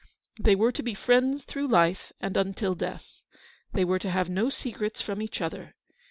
They were to be friends through life and until death. They were to have no secrets from each other.